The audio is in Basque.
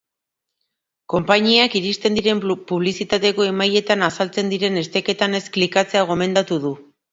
Konpainiak iristen diren publizitateko emailetan azaltzen diren esteketan ez klikatzea gomendatu du.